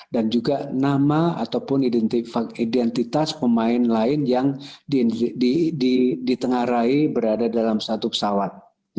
dan juga nama ataupun identitas pemain lain yang ditengarai berada dalam pesawat